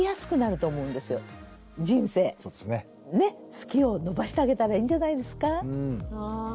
好きを伸ばしてあげたらいいんじゃないですか。